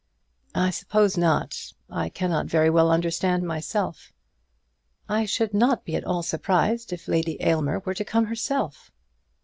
"I suppose not. I cannot very well understand myself." "I should not be at all surprised if Lady Aylmer were to come herself."